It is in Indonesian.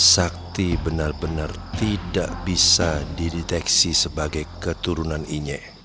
sakti benar benar tidak bisa dideteksi sebagai keturunan ine